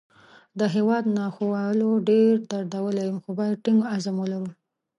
د هیواد ناخوالو ډېر دردولی یم، خو باید ټینګ عزم ولرو